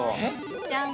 ◆じゃん。